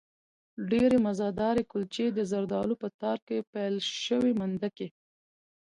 ډېرې مزهدارې کلچې، د زردالو په تار کې پېل شوې مندکې